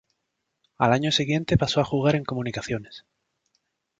Al año siguiente pasó a jugar en Comunicaciones.